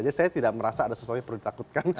jadi saya tidak merasa ada sesuatu yang perlu ditakutkan